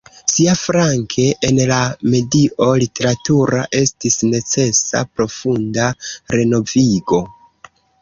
Siaflanke, en la medio literatura estis necesa profunda renovigo.